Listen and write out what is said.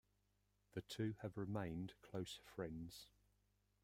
The two have remained close friends.